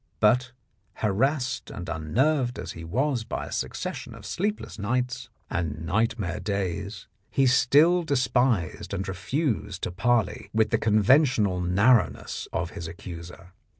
But harassed and unnerved as he was by a succession of sleepless nights 63 The Blackmailer of Park Lane and nightmare days, he still despised and refused to parley with the conventional narrowness of his ac cuser.